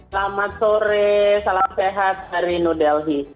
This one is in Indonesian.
selamat sore salam sehat dari new delhi